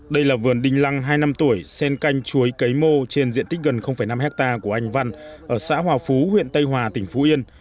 đây là vườn đinh lăng hai năm tuổi sen canh chuối cấy mô trên diện tích gần năm hectare của anh văn ở xã hòa phú huyện tây hòa tỉnh phú yên